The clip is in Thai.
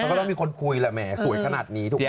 แล้วก็ต้องมีคนคุยแหละแม่สวยขนาดนี้ถูกไหมล่ะ